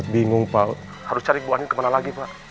tenang raul tenang